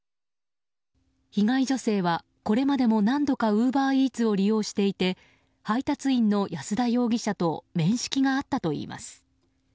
被害女性は、これまでも何度かウーバーイーツを利用していて配達員の安田容疑者と面識があったといいます。